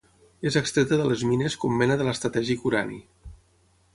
És extreta de les mines com mena de l'estratègic urani.